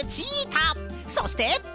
そして！